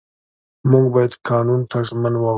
موږ باید قانون ته ژمن واوسو